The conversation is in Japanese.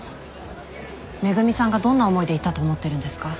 恵美さんがどんな思いでいたと思ってるんですか？